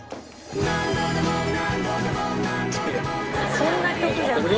「そんな曲じゃない」